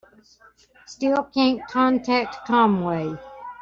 Still can't contact Conway.